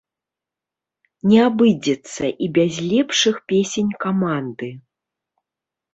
Не абыдзецца і без лепшых песень каманды!